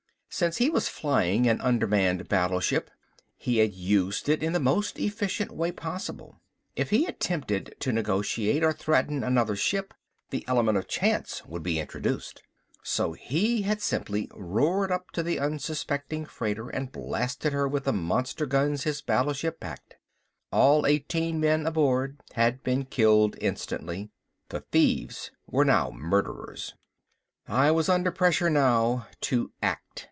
Since he was flying an undermanned battleship, he had used it in the most efficient way possible. If he attempted to negotiate or threaten another ship, the element of chance would be introduced. So he had simply roared up to the unsuspecting freighter and blasted her with the monster guns his battleship packed. All eighteen men aboard had been killed instantly. The thieves were now murderers. I was under pressure now to act.